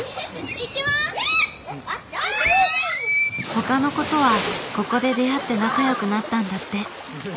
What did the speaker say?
他の子とはここで出会って仲良くなったんだって。